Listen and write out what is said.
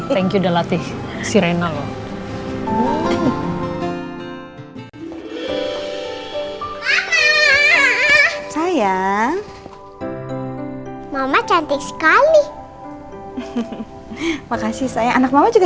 thank you the latif sirena loh mama sayang mama cantik sekali makasih saya anak mama juga